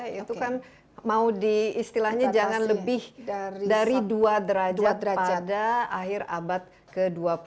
itu kan mau diistilahnya jangan lebih dari dua derajat pada akhir abad ke dua puluh